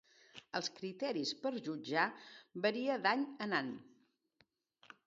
Els criteris per jutjar varia d'any en any.